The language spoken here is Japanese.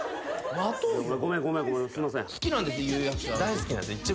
好きなんですか？